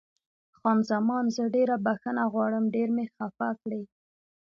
خان زمان: زه ډېره بښنه غواړم، ډېر مې خفه کړې.